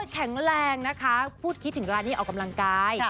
แข็งแรงนะคะพูดคิดถึงร้านนี้ออกกำลังกาย